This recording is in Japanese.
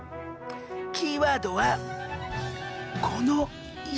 キーワードはこの「石」。